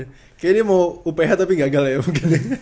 kayaknya ini mau uph tapi gagal ya mungkin